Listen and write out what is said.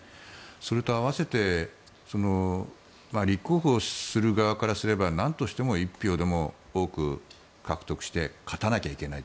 それと併せて立候補する側からすればなんとしても１票でも多く獲得して勝たなきゃいけない。